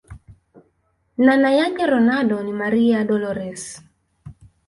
nana yake ronaldo ni maria dolores